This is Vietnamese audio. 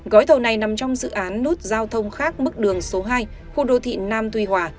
gói thầu này nằm trong dự án nút giao thông khác mức đường số hai khu đô thị nam tuy hòa